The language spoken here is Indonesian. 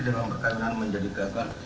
dalam perkahwinan menjadi gagal